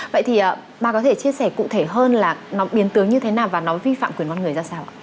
vậy thì bà có thể chia sẻ cụ thể hơn là nó biến tướng như thế nào và nó vi phạm quyền con người ra sao ạ